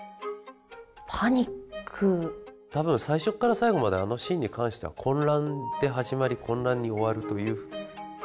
多分最初から最後まであのシーンに関しては混乱で始まり混乱に終わるという。